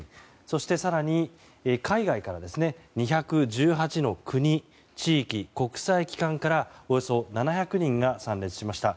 そして、更に海外からは２１８の国、地域、国際機関からおよそ７００人が参列しました。